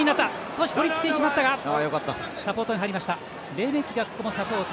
レメキが、ここもサポート。